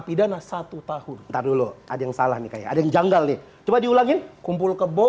pidana satu tahun ntar dulu ada yang salah nih kayak ada yang janggal nih coba diulangin kumpul kebo